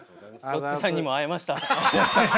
ロッチさんにも会えました。